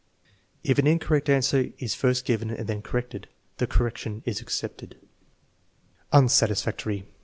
If an incorrect answer is first given and then corrected, the cor rection is accepted. Unsatisfactory.